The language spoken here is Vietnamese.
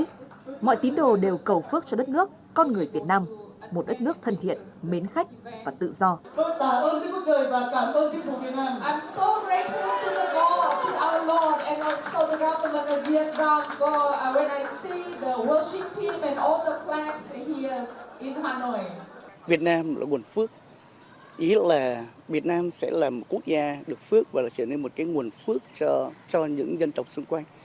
tôi thấy con người việt nam rất tuyệt vời và tôi yêu việt nam một cách tuyệt đối